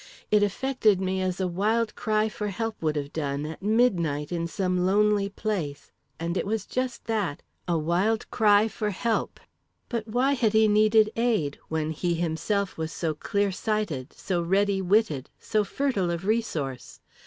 It affected me as a wild cry for help would have done, at midnight, in some lonely place and it was just that a wild cry for help! But why had he needed aid, when he himself was so clear sighted, so ready witted, so fertile of resource?